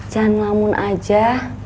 jangan ngelamun aja